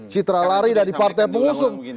citra lari dari partai pengusung